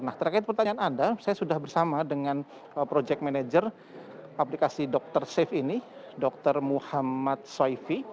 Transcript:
nah terakhir pertanyaan anda saya sudah bersama dengan project manager aplikasi dokter saif ini dokter muhammad soifi